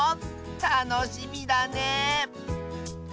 たのしみだね！